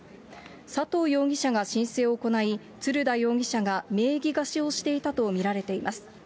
佐藤容疑者が申請を行い、ツルダ容疑者が名義貸しをしていたと見られています。